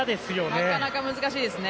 なかなか難しいですね。